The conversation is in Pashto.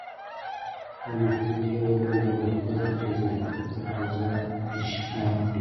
پرمختللی هېوادونه دا وړتیا لري چې اضافي تقاضا اشباع کړي.